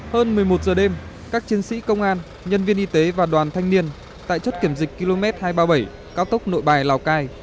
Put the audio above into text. hơn một mươi một giờ đêm các chiến sĩ công an nhân viên y tế và đoàn thanh niên tại chốt kiểm dịch km hai trăm ba mươi bảy cao tốc nội bài lào cai